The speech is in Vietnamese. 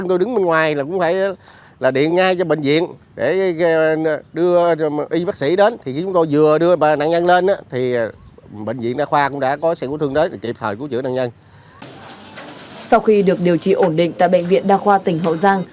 tại bệnh viện đa khoa tỉnh hậu giang